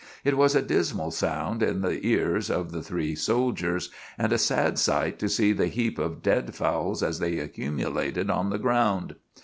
It was a dismal sound in the ears of the three soldiers, and a sad sight to see the heaps of dead fowls as they accumulated on the ground.